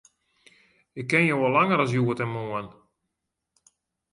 Ik ken jo al langer as hjoed en moarn.